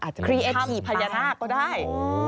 อาจจะคพาก็ได้